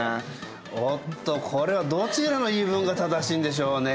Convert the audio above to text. おっとこれはどちらの言い分が正しいんでしょうね。